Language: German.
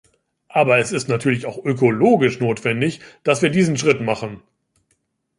Aber es ist natürlich auch ökologisch notwendig, dass wir diesen Schritt machen.